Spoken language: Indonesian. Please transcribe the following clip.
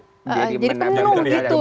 jadi penuh gitu